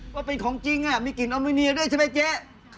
ว่าเป็นของจริงมีกลิ่นออมูเนียด้วยใช่ไหมเจ๊